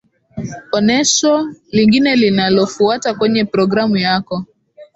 onesho lingine linalofuata kwenye progrmu yako